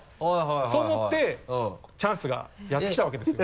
そう思ってチャンスがやって来たわけですよ。